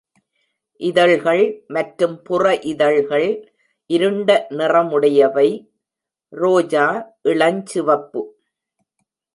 இதழ்கள் மற்றும் புற இதழ்கள் இருண்ட நிறமுடையவை, ரோஜா இளஞ்சிவப்பு.